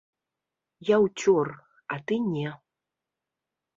Я ўцёр, а ты не.